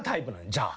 じゃあ。